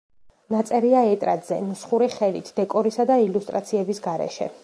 ნაწერია ეტრატზე, ნუსხური ხელით, დეკორისა და ილუსტრაციების გარეშე.